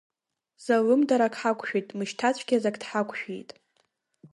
Залымдарак ҳақәшәеит, мышьҭацәгьаӡак дҳақәшәиит.